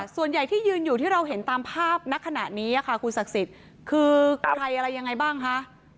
ส่วนใหญ่ที่ยืนอยู่ที่เราเห็นตามภาพณขณะนี้ค่ะคุณศักดิ์สิทธิ์คือใครอะไรยังไงบ้างคะ